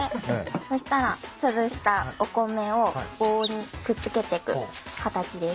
そしたらつぶしたお米を棒にくっつけていく形です。